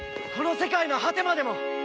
この世界の果てまでも！